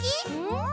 ん？